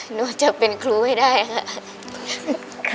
หนูจะเป็นครูให้ได้ค่ะ